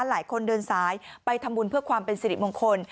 หลายคนเดินสายไปทำบุญเพื่อความเป็นสิริมงคล